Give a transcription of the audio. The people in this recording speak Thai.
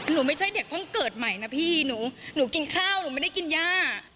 ไม่ใช่เด็กเพิ่งเกิดใหม่นะพี่หนูกินข้าวหนูไม่ได้กินย่า